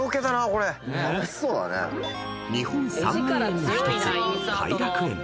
［日本三名園の１つ］